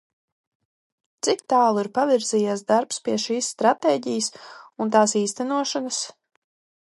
Cik tālu ir pavirzījies darbs pie šīs stratēģijas un tās īstenošanas?